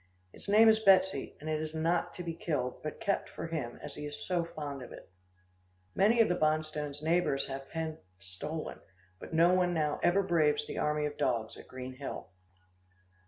Its name is Betsy, and it is not to be killed, but kept for him, as he is so fond of it. Many of the Bonstones' neighbours have hens stolen, but no one now ever braves the army of dogs at Green Hill.